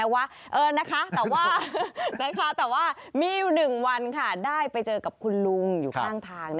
แต่ว่ามีหนึ่งวันได้ไปเจอกับคุณลุงอยู่ข้างทาง